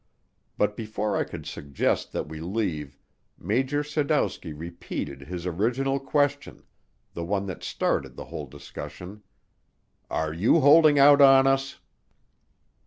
But before I could suggest that we leave, Major Sadowski repeated his original question the one that started the whole discussion "Are you holding out on us?"